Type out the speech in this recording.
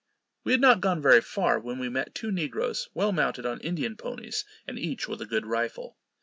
We had not gone very far, when we met two negroes, well mounted on Indian ponies, and each with a good rifle.